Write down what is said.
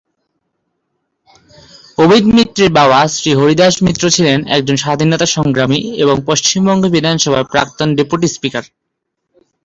অমিত মিত্রের বাবা শ্রী হরিদাস মিত্র ছিলেন একজন স্বাধীনতা সংগ্রামী এবং পশ্চিমবঙ্গ বিধানসভার প্রাক্তন ডেপুটি স্পিকার।